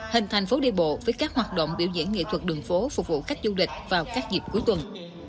hình thành phố đi bộ với các hoạt động biểu diễn nghệ thuật đường phố phục vụ khách du lịch vào các dịp cuối tuần